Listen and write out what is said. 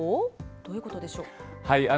どういうことでしょう。